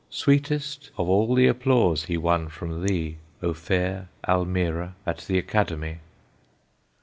Sweetest of all the applause he won from thee, O fair Almira at the Academy!